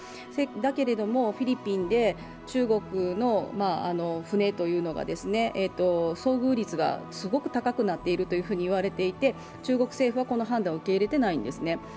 だけれども、フィリピンで中国の船が遭遇率がすごく高くなっているといわれていて中国政府はこの判断を受け入れていないんですね。